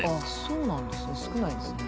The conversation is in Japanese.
そうなんですね